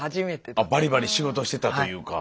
バリバリ仕事してたというか。